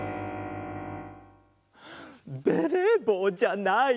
ベレーぼうじゃない！